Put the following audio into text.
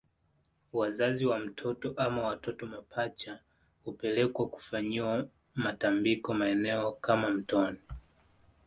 Wazazi wa mtoto ama watoto mapacha hupelekwa kufanyiwa matambiko maeneo kama mtoni